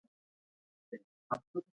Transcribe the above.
کانديد اکاډميسن عطايي د علمي نوښت پلوي و.